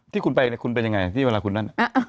ที่คุณไปยังไงที่เวลาคุณนั่น